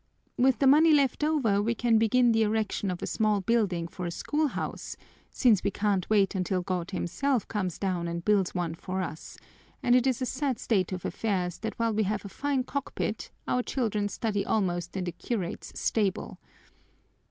With the money left over we can begin the erection of a small building for a schoolhouse, since we can't wait until God Himself comes down and builds one for us, and it is a sad state of affairs that while we have a fine cockpit our children study almost in the curate's stable.